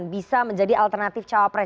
bisa menjadi alternatif cawapres